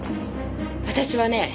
私はね